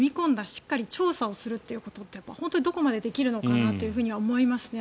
しっかり調査をするということは本当にどこまでできるのかなとは思いますね。